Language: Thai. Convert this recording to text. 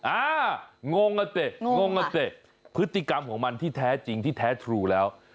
อ่างงอะเตะพฤติกรรมของมันที่แท้จริงที่แท้ถูกแล้ว